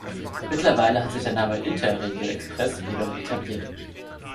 Mittlerweile hat sich der Name Interregio-Express jedoch etabliert.